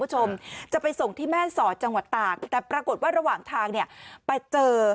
คุณผู้ชมจะไปส่งที่แม่สอดจังหวัดตากแต่ปรากฏว่าระหว่างทางเนี่ยไปเจอ